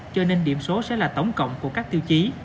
cho nên điểm số sẽ là tổng cộng của các tiêu chí